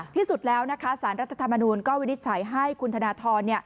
ที่สุดแล้วนะคะสารรัฐธรรมนูลก็วินิจฉัยให้คุณธนทร